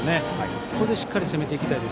これでしっかり攻めていきたい。